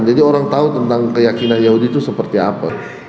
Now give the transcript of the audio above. jadi orang tahu tentang keyakinan yahudi itu seperti apa